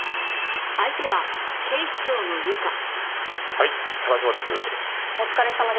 はい花島です。